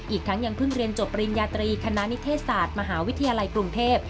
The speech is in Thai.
อีกทั้งยังเพิ่งเรียนจบปริญญาตรีคณะนิเทศศาสตร์มหาวิทยาลัยกรุงเทพ